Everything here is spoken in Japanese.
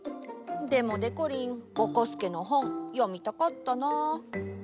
でもでこりんぼこすけの本読みたかったな。